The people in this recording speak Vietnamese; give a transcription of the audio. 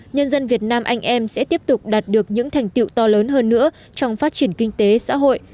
nhân dân việt nam anh em sẽ tiếp tục đạt được những thành tiệu to lớn hơn nữa trong phát triển kinh tế xã hội